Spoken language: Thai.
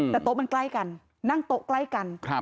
แต่โต๊ะมันใกล้กันนั่งโต๊ะใกล้กัน